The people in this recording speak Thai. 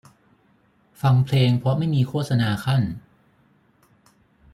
ฟังเพลงเพราะไม่มีโฆษณาคั่น